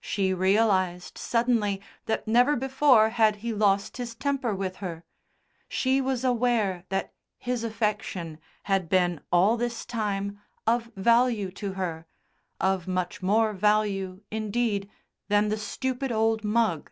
She realised suddenly that never before had he lost his temper with her; she was aware that his affection had been all this time of value to her, of much more value, indeed, than the stupid old mug.